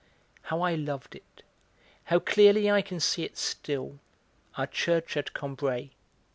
How I loved it: how clearly I can see it still, our church at Combray!